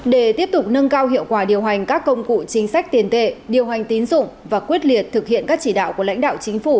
để tiếp tục nâng cao hiệu quả điều hành các công cụ chính sách tiền tệ điều hành tín dụng và quyết liệt thực hiện các chỉ đạo của lãnh đạo chính phủ